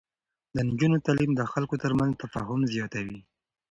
د نجونو تعليم د خلکو ترمنځ تفاهم زياتوي.